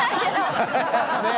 ねえ。